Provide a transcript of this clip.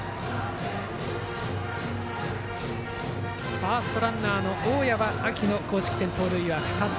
ファーストランナーの大矢は秋の公式戦で盗塁２つ。